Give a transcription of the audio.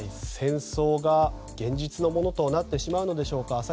戦争が現実のものとなってしまうんでしょうか。